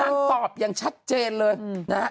นางตอบยังชัดเจนเลยนะฮะ